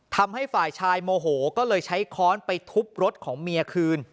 ทำให้ฝ่ายชายโมโหก็เลยใช้ค้อนไปทุบรถของเมียคืน